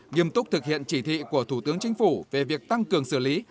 nghiêm túc thực hiện chỉ thị của thủ tướng chính phủ về việc tăng cường xử lý